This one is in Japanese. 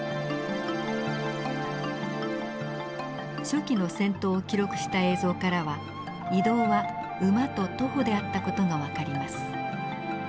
初期の戦闘を記録した映像からは移動は馬と徒歩であった事が分かります。